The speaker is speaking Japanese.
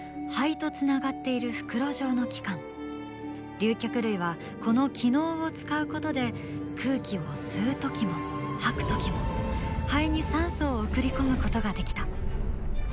竜脚類はこの気嚢を使うことで空気を吸うときも吐くときも肺に酸素を送り込むことができた。